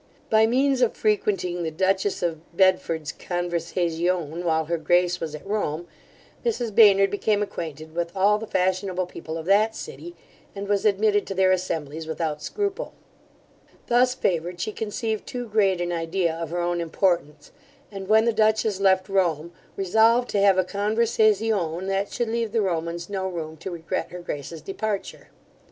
By means of frequenting the dutchess of B[edford]'s conversazione, while her grace was at Rome, Mrs Baynard became acquainted with all the fashionable people of that city, and was admitted to their assemblies without scruple Thus favoured, she conceived too great an idea of her own importance, and when the dutchess left Rome, resolved to have a conversazione that should leave the Romans no room to regret her grace's departure.